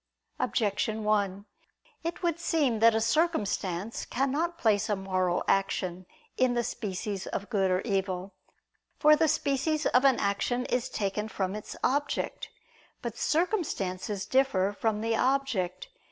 Objection 1: It would seem that a circumstance cannot place a moral action in the species of good or evil. For the species of an action is taken from its object. But circumstances differ from the object.